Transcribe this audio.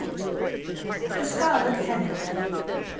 THE SCARLET TANAGER.